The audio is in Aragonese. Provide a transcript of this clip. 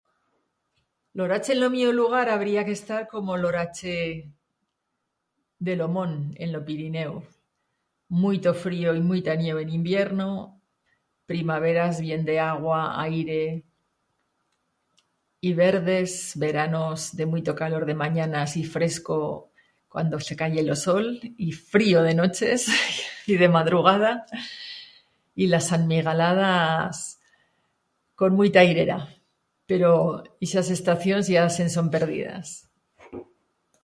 L'orache en lo mío lugar habría que estar como l'orache de lo mont en lo Pirineu: muito frío y muita nieu en himbierno; primaveras, bien de agua, aire, y verdes; veranos de muito calor de manyanas y fresco cuando se caye lo sol, y frío de noches y de madrugada; y las santmigaladas, con muita airera... pero ixas estacions ya se'n son perdidas.